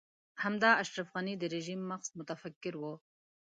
همدا اشرف غني د رژيم مغز متفکر و.